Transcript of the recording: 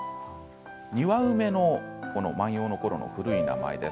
ニワウメの万葉のころの古い名前です。